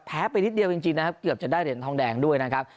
ไปนิดเดียวจริงนะครับเกือบจะได้เหรียญทองแดงด้วยนะครับ